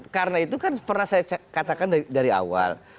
karena itu kan pernah saya katakan dari awal